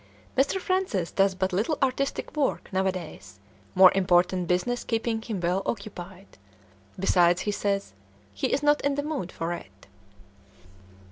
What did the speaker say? Mr. Francis does but little artistic work, nowadays, more important business keeping him well occupied; besides, he says, he "is not in the mood for it."